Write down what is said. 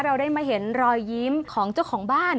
เราได้มาเห็นรอยยิ้มของเจ้าของบ้าน